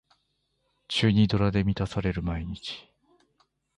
チュニドラで満たされる毎日